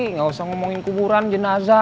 nggak usah ngomongin kuburan jenazah